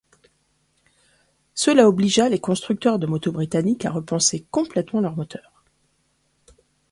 Cela obligea les constructeurs de motos britanniques à repenser complètement leurs moteurs.